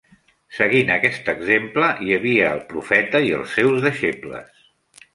Seguint aquest exemple, hi havia el profeta i els seus deixebles.